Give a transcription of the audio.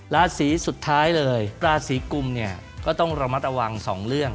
ราศีสุดท้ายเลยราศีกุมเนี่ยก็ต้องระมัดระวัง๒เรื่อง